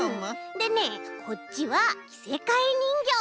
でねこっちはきせかえにんぎょう。